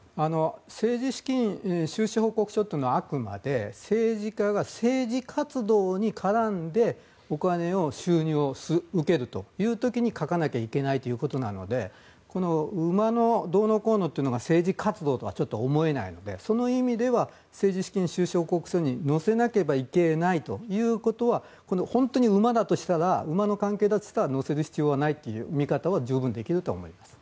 政治資金収支報告書というのは、あくまで政治家が政治活動に絡んでお金を、収入を受けるという時に書かなきゃいけないということなので馬のどうのこうのというのは政治活動とはちょっと思えないのでその意味では政治資金収支報告書に載せなければいけないということは本当に馬の関係だとしたら載せる必要はないという見方は十分できると思います。